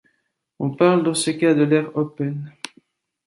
On parle dans ce cas de l’ère Open.